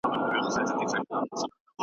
که موږ زيار وباسو پرمختګ کوو.